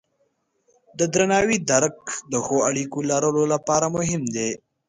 د درناوي درک د ښو اړیکو لرلو لپاره مهم دی.